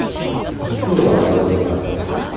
今日はバイトだ。